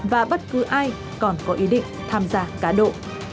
và bất cứ ai còn có ý định tham gia cá độ